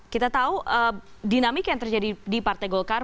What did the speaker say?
kita tahu dinamik yang terjadi di partai golkar